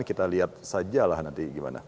kita lihat saja lah nanti gimana